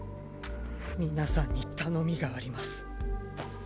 皆さんに頼みがあります。